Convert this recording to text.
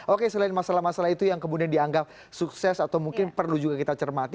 oke selain masalah masalah itu yang kemudian dianggap sukses atau mungkin perlu juga kita cermati